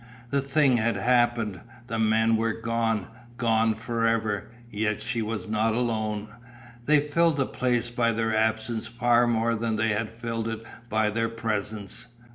The thing had happened; the men were gone, gone forever, yet she was not alone. They filled the place by their absence far more than they had filled it by their presence.